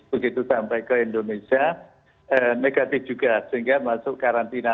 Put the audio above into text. begitu sampai ke indonesia negatif juga sehingga masuk karantina